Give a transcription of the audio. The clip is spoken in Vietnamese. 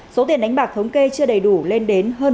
số tiền đánh bạc thống kê chưa đầy đủ lên đến hơn một tỷ đồng